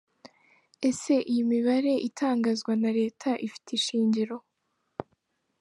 Ese iyi mibare itangazwa na Leta ifite ishingiro?